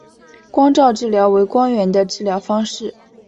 光照治疗为光源的治疗方式。